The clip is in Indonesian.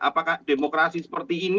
apakah demokrasi seperti ini